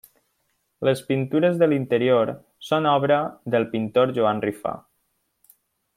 Les pintures de l'interior són obra del pintor Joan Rifà.